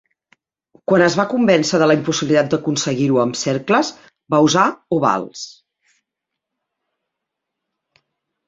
Quan es va convèncer de la impossibilitat d'aconseguir-ho amb cercles, va usar ovals.